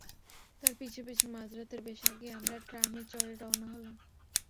তার পিছু পিছু মাঝরাতের বেশ আগেই আমরা ট্রামে চড়ে রওনা হলাম।